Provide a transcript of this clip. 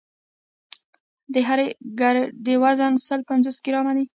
د هرې ګردې وزن سل پنځوس ګرامه دی.